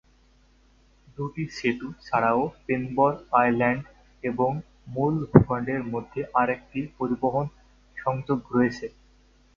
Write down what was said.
দুটি সেতু ছাড়াও, পেনম্বর আইল্যান্ড এবং মূল ভূখন্ডের মধ্যে আরেকটি পরিবহন সংযোগ রয়েছে।